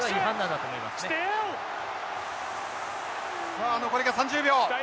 さあ残りが３０秒。